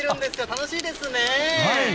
楽しいですね。